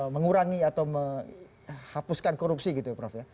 mengurangi atau menghapuskan korupsi gitu ya prof ya